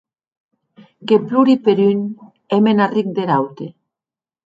Que plori per un, e me n’arric der aute.